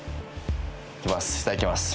いきます。